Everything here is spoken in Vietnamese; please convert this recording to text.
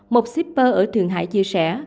một shipper ở thường hải chia sẻ